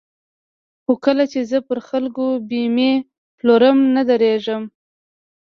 خو کله چې زه پر خلکو بېمې پلورم نه درېږم.